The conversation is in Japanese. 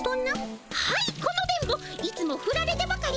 はいこの電ボいつもフラれてばかり。